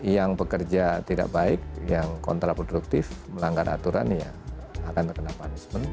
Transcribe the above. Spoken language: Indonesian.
yang bekerja tidak baik yang kontraproduktif melanggar aturan ya akan terkena punishment